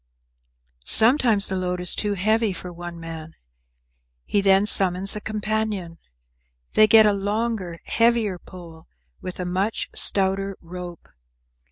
Sometimes the load is too heavy for one man. He then summons a companion. They get a longer, heavier pole, with a much stouter rope.